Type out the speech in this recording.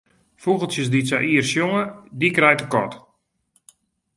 Fûgeltsjes dy't sa ier sjonge, dy krijt de kat.